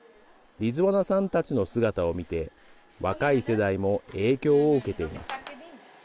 リズワナさんたちの姿を見て若い世代も影響を受けています。